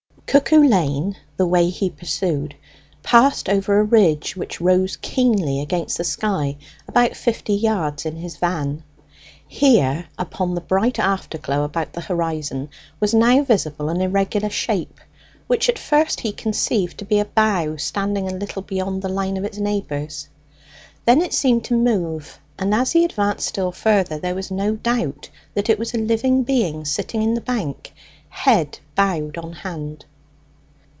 Cuckoo Lane, the way he pursued, passed over a ridge which rose keenly against the sky about fifty yards in his van. Here, upon the bright after glow about the horizon, was now visible an irregular shape, which at first he conceived to be a bough standing a little beyond the line of its neighbours. Then it seemed to move, and, as he advanced still further, there was no doubt that it was a living being sitting in the bank, head bowed on hand.